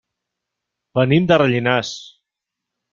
Venim de Rellinars.